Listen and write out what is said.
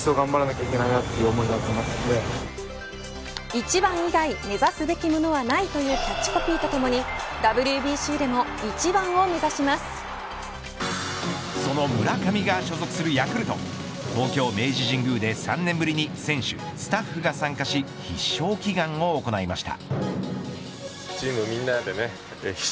１番以外目指すべきものはないというキャッチコピーとともにその村上が所属するヤクルト東京、明治神宮で３年ぶりに選手、スタッフが参加し必勝祈願を行いました。